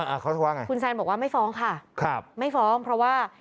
อ่าข้อสัมภาษณ์อะไรคุณแซนบอกว่าไม่ฟ้องค่ะไม่ฟ้องเพราะว่า